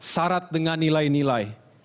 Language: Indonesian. syarat dengan nilai nilai